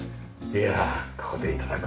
いやここで頂く。